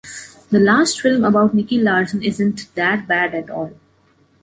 The last film about Nicky Larson isn’t that bad at all.